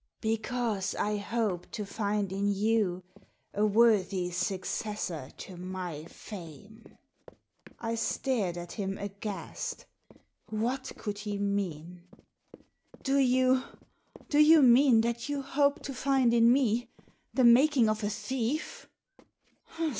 " Because I hoped to find in you a worthy successor to my fame." I stared at him aghast What could he mean ?" Do you — do you mean that you hoped to find in me the making of a thief?